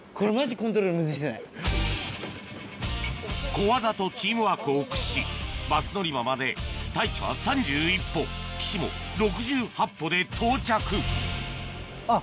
小技とチームワークを駆使しバス乗り場まで太一は３１歩岸も６８歩で到着あっ